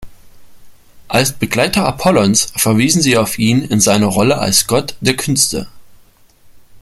Als Begleiter Apollons verweisen sie auf ihn in seiner Rolle als Gott der Künste.